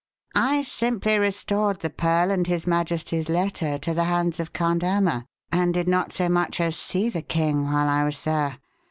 "I simply restored the pearl and his Majesty's letter to the hands of Count Irma, and did not so much as see the King while I was there.